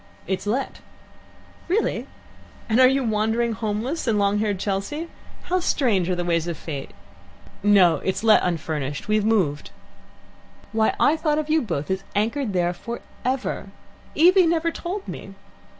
"It's let." "Really. And you wandering homeless in long haired Chelsea? How strange are the ways of Fate!" "No; it's let unfurnished. We've moved." "Why, I thought of you both as anchored there for ever. Evie never told me."